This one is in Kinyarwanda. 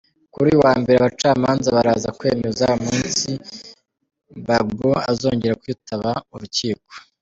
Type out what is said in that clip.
Kuri uyu wa mbere abacamanza baraza kwemeza umunsi Gbagbo azongera kwitaba urukiko.